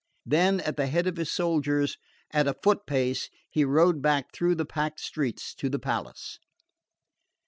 Then, at the head of his soldiers, at a foot pace, he rode back through the packed streets to the palace.